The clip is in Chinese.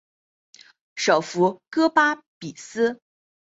首府戈巴比斯。